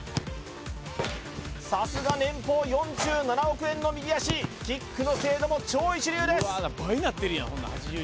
さすが年俸４７億円の右足キックの精度も超一流です